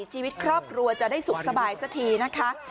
ชีวิตครอบครัวจะได้สุขสบายสักทีนะคะ